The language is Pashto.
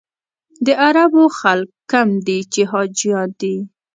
د عربو خلک کم دي چې حاجیان دي.